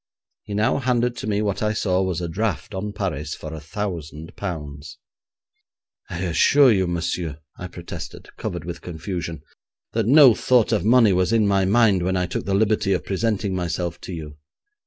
He now handed to me what I saw was a draft on Paris for a thousand pounds. 'I assure you, monsieur,' I protested, covered with confusion, 'that no thought of money was in my mind when I took the liberty of presenting myself to you.